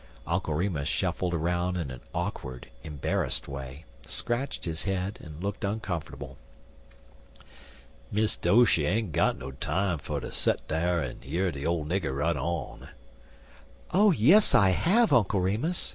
Uncle Remus shuffled around in an awkward, embarrassed way, scratched his head, and looked uncomfortable. "Miss Doshy ain't got no time fer ter set dar an' year de ole nigger run on." "Oh, yes, I have, Uncle Remus!"